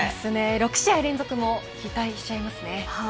６試合連続も期待しちゃいますね。